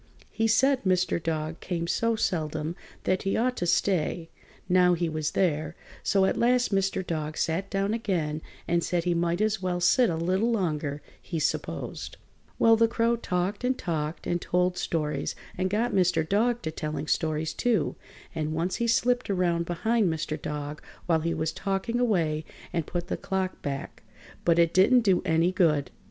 He said Mr. Dog came so seldom that he ought to stay, now he was there, so at last Mr. Dog sat down again and said he might as well sit a little longer, he s'posed. [Illustration: MR. CROW TALKED AND TOLD STORIES.] Well, the Crow talked and talked and told stories and got Mr. Dog to telling stories, too, and once he slipped around behind Mr. Dog while he was talking away and put the clock back, but it didn't do any good.